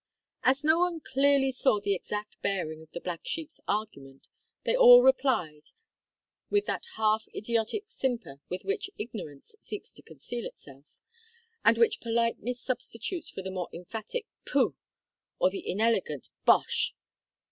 As no one clearly saw the exact bearing of the black sheep's argument, they all replied with that half idiotic simper with which Ignorance seeks to conceal herself, and which Politeness substitutes for the more emphatic "pooh," or the inelegant "bosh."